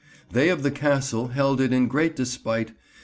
They of the Castle held it in great despite.